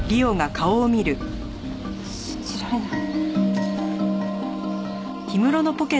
信じられない。